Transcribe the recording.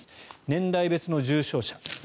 年代別の重症者。